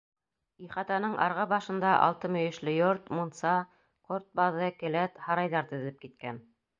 Ихатаның арғы башында алты мөйөшлө йорт, мунса, ҡорт баҙы, келәт, һарайҙар теҙелеп киткән.